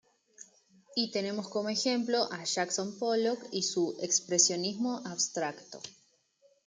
Y tenemos como ejemplo a Jackson Pollock y su "Expresionismo abstracto".